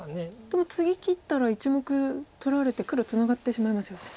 でも次切ったら１目取られて黒ツナがってしまいますよね。